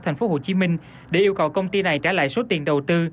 thành phố hồ chí minh để yêu cầu công ty này trả lại số tiền đầu tư